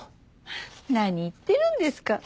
何言ってるんですか。